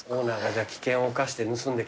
じゃあ危険を冒して盗んできたんだな。